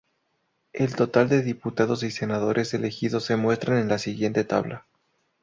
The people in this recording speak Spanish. El total de diputados y senadores elegidos se muestra en la siguiente tabla.